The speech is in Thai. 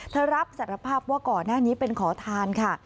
เธอรับสารภาพว่าก่อนหน้านี้เป็นขอทานค่ะ